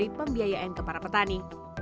menjadi pemberi pembiayaan ke para petani